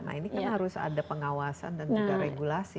nah ini kan harus ada pengawasan dan juga regulasi